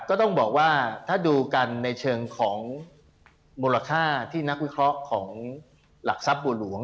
ก็ต้องบอกว่าถ้าดูกันในเชิงของมูลค่าที่นักวิเคราะห์ของหลักทรัพย์บัวหลวง